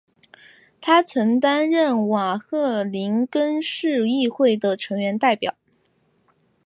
他曾担任瓦赫宁根市议会的成员代表。